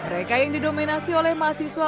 mereka yang didominasi oleh mahasiswa